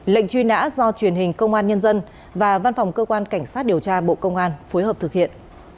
lệnh truy nã do truyền hình công an nhân dân và văn phòng cơ quan cảnh sát điều tra bộ công an phối hợp thực hiện